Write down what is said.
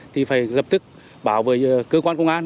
thì phải lập tức bảo vệ cơ quan công an